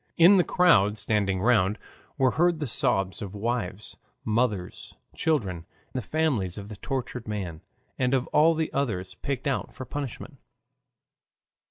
In the crowd standing round were heard the sobs of wives, mothers, children, the families of the tortured man and of all the others picked out for punishment.